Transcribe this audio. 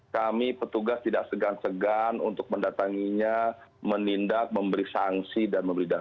kami petugas tidak segan segan untuk mendatanginya menindak memberi sanksi dan membeli data